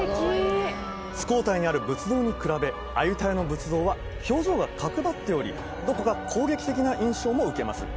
スコータイにある仏像に比べアユタヤの仏像は表情が角張っておりどこか攻撃的な印象も受けます